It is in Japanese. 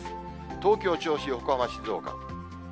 東京、銚子、横浜、静岡。